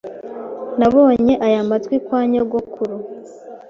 Nabonye aya matwi kwa nyogokuru.